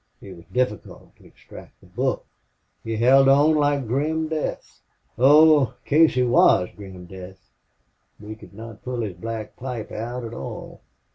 It was difficult to extract the book. He held on like grim death. Oh! Casey was grim death.... We could not pull his black pipe out at all.